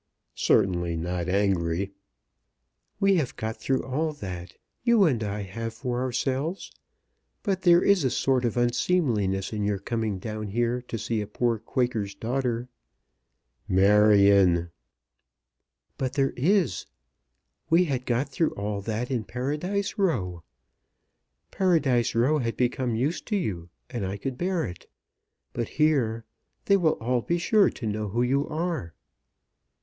"Certainly not angry." "We have got through all that, you and I have for ourselves; but there is a sort of unseemliness in your coming down here to see a poor Quaker's daughter." "Marion!" "But there is. We had got through all that in Paradise Row. Paradise Row had become used to you, and I could bear it. But here They will all be sure to know who you are."